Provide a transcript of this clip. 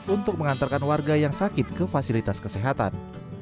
untuk mengantarkan warga yang sakit ke fasilitas kesehatan